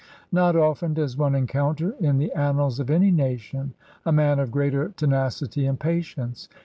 Not often does one encounter in the annals of any nation a man of greater tenacity and patience.